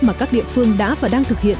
mà các địa phương đã và đang thực hiện